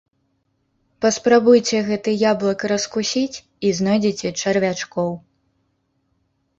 Паспрабуйце гэты яблык раскусіць і знойдзеце чарвячкоў.